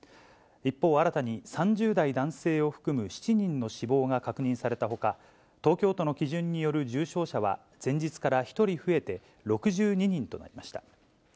一方、新たに３０代男性を含む７人の死亡が確認されたほか、東京都の基準による重症者は、前日から１人増えて６２人となりました。